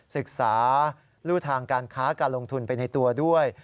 ศึกษารูทางการค้าการลงทุนไปในตัวด้วย